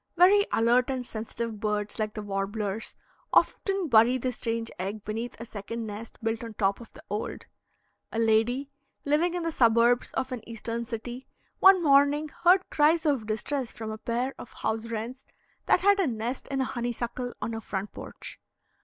Very alert and sensitive birds like the warblers often bury the strange egg beneath a second nest built on top of the old. A lady, living in the suburbs of an eastern city, one morning heard cries of distress from a pair of house wrens that had a nest in a honeysuckle on her front porch.